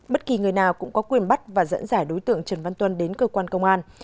bất kỳ người nào cũng có quyền bắt và dẫn giải đối tượng trần văn tuân đến cơ quan công an